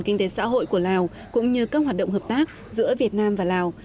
kinh tế xã hội của lào cũng như các hoạt động hợp tác giữa việt nam và lào